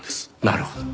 なるほど。